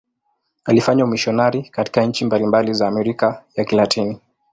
Alifanya umisionari katika nchi mbalimbali za Amerika ya Kilatini.